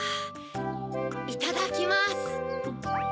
いただきます。